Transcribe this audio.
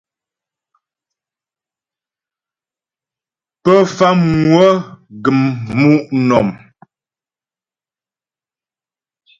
Pə Famŋwə gəm mu' nɔ̀m.